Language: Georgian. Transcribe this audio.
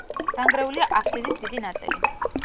დანგრეულია აბსიდის დიდი ნაწილი.